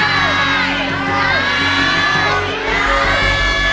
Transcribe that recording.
ได้